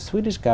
bởi vì họ